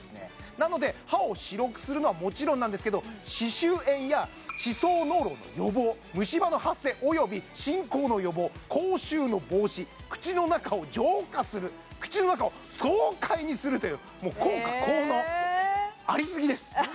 なので歯を白くするのはもちろんなんですけど歯周炎や歯槽膿漏の予防虫歯の発生および進行の予防口臭の防止口の中を浄化する口の中を爽快にするというもう効果効能ありすぎです